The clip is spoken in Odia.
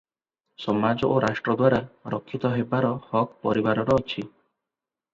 ସମାଜ ଓ ରାଷ୍ଟ୍ରଦ୍ୱାରା ରକ୍ଷିତ ହେବାର ହକ ପରିବାରର ଅଛି ।